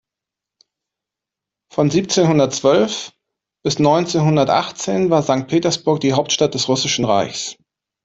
Von siebzehnhundertzwölf bis neunzehnhundertachtzehn war Sankt Petersburg die Hauptstadt des Russischen Reichs.